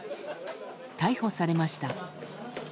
逮捕されました。